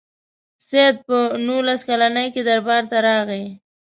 سید په نولس کلني کې دربار ته راغی.